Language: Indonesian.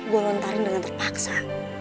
gue lontarin dengan terpaksa